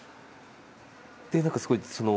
なんかすごいその。